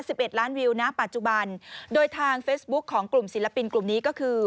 สิบเอ็ดล้านวิวนะปัจจุบันโดยทางเฟซบุ๊คของกลุ่มศิลปินกลุ่มนี้ก็คือ